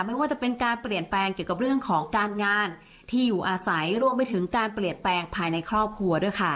ไม่ว่าจะเป็นการเปลี่ยนแปลงเกี่ยวกับเรื่องของการงานที่อยู่อาศัยรวมไปถึงการเปลี่ยนแปลงภายในครอบครัวด้วยค่ะ